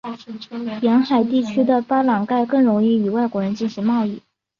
沿海地区的巴朗盖更容易与外国人进行贸易。